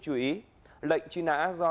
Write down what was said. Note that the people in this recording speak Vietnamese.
chú ý lệnh truy nã do